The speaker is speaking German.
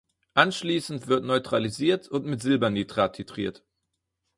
Anschließend wird neutralisiert und mit Silbernitrat titriert.